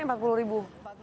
saingannya empat puluh ribu